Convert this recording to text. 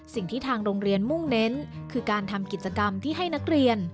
สิ่งที่ทางโรงเรียนมุ่งเน้นคือการทำกิจกรรมที่ให้นักเรียน